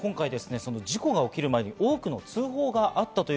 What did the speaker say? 事故が起きる前に多くの通報がありました。